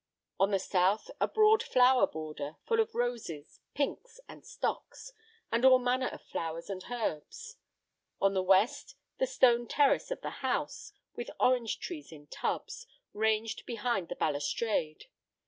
On the south, a broad flower border, full of roses, pinks, and stocks, and all manner of flowers and herbs. On the west, the stone terrace of the house, with orange trees in tubs ranged behind the balustrade.